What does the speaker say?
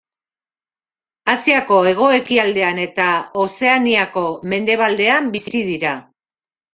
Asiako hego-ekialdean eta Ozeaniako mendebaldean bizi dira.